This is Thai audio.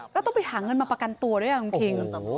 แล้วต้องไปหาเงินมาประกันตัวด้วยคุณคิง